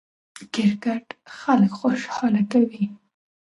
کرکټ خلک خوشحاله کوي.